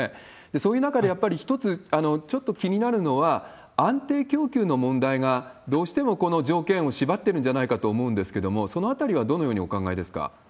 そういう中でやっぱり一つ、ちょっと気になるのは、安定供給の問題がどうしてもこの条件を縛ってるんじゃないかと思うんですけど、そのあたりはどのようにお考えですか？